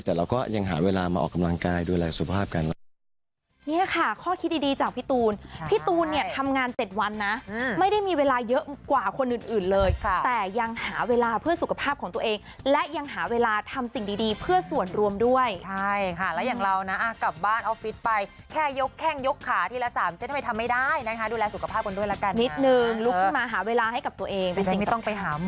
แต่เราก็ยังหาเวลามาออกกำลังกายดูแลสุขภาพกัน